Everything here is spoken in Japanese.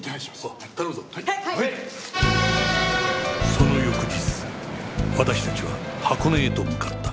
その翌日私たちは箱根へと向かった